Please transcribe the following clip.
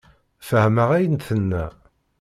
Fehmeɣ ayen d-tenna.